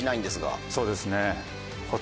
そうですね。